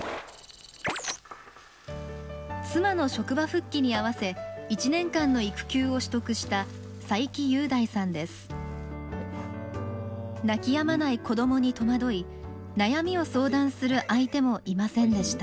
妻の職場復帰にあわせ１年間の育休を取得した泣きやまない子どもに戸惑い悩みを相談する相手もいませんでした。